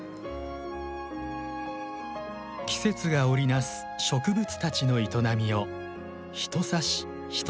季節が織り成す植物たちの営みをひと挿しひと